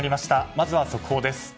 まずは速報です。